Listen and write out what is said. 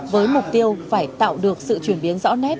với mục tiêu phải tạo được sự chuyển biến rõ nét